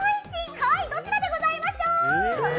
はい、どちらでございましょう？